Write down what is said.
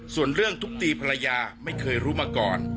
ส่วนเรื่องทุบตีภรรยาไม่เคยรู้มาก่อน